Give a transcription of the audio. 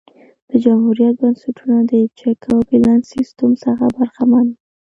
د جمهوریت بنسټونه د چک او بیلانس سیستم څخه برخمن وو